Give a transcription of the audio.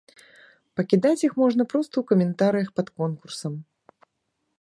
Пакідаць іх можна проста ў каментарыях пад конкурсам.